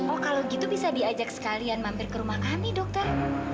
oh kalau gitu bisa diajak sekalian mampir ke rumah kami dokter